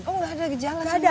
oh nggak ada gejala sama sekali